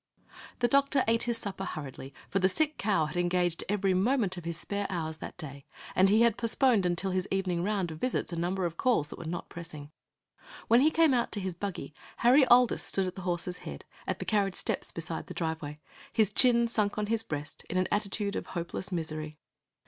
The doctor ate his supper hurriedly; for the sick cow had engaged every moment of his spare hours that day, and he had postponed until his evening round of visits a number of calls that were not pressing. When he came out to his buggy, Harry Aldis stood at the horse's head, at the carriage steps beside the driveway, his chin sunk on his breast, in an attitude of hopeless misery.